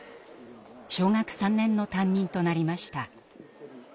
小学３年の担任となりました。